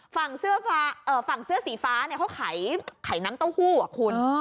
ฝั่งเสื้อสีฟ้าเขาขายน้ำเต้าหู้อ่ะคุณ